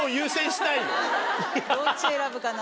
どっち選ぶかな？